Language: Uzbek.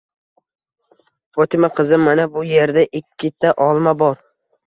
Fotima qizim, mana bu yerda ikkita olma bor.